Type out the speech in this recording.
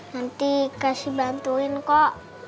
nanti kasih bantuin kok